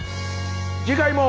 次回も。